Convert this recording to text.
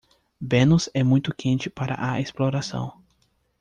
Vênus é muito quente para a exploração.